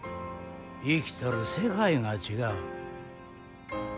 生きとる世界が違う。